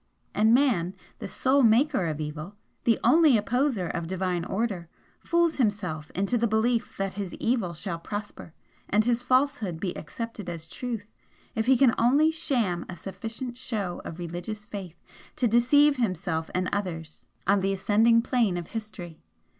And Man, the sole maker of evil, the only opposer of Divine Order, fools himself into the belief that his evil shall prosper and his falsehood be accepted as truth, if he can only sham a sufficient show of religious faith to deceive himself and others on the ascending plane of History.